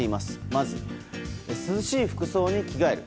まず、涼しい服装に着替える。